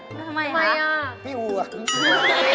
ทำไมครับพี่อ่วงไม่